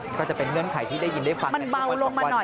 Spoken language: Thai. ก็จะเป็นเงื่อนไขที่ได้ยินได้ฟังในช่วงสักวัน